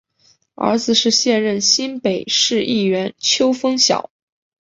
儿子是现任新北市议员邱烽尧。